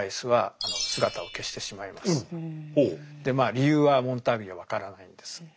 理由はモンターグには分からないんです。